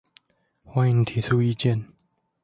歡迎提出意見